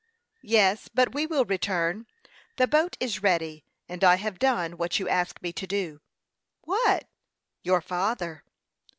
"Yes; but we will return. The boat is ready, and I have done what you asked me to do." "What?" "Your father."